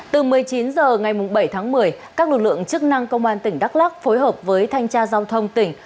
từ một mươi chín h ngày bảy tháng một mươi các lực lượng chức năng công an tỉnh đắk lắc phối hợp với thanh tra giao thông tỉnh